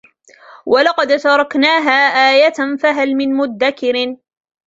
وَلَقَدْ تَرَكْنَاهَا آيَةً فَهَلْ مِنْ مُدَّكِرٍ